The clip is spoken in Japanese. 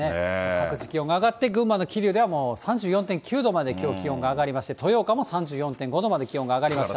各地、気温が上がって、群馬の桐生ではもう３４．９度まできょう、気温が上がりまして、豊岡も３４．５度まで気温が上がりました。